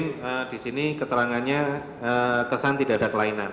ct brain disini keterangannya kesan tidak ada kelainan